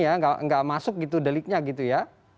jadi nggak masuk gitu deliknya gitu ya